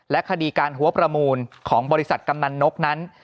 คดีการหัวประมูลของบริษัทกำนันนกนั้น